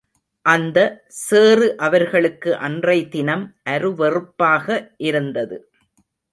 அந்த, சேறு அவர்களுக்கு அன்றை தினம் அருவெறுப்பாக இருந்தது.